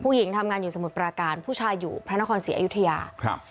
ผู้หญิงทำงานอยู่สมุทรปราการผู้ชายอยู่พระนครศรีอยุธยาครับ